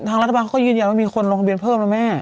ทางรัฐบาลเขาก็ยืนยันว่ามีคนลงทะเบียนเพิ่มนะแม่